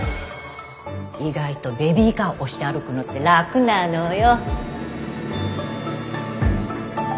意外とベビーカー押して歩くのって楽なのよ。